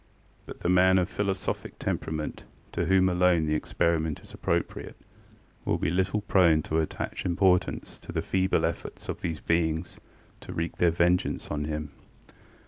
But the man of philosophic temperamentŌĆöto whom alone the experiment is appropriateŌĆöwill be little prone to attach importance to the feeble efforts of these beings to wreak their vengeance on him.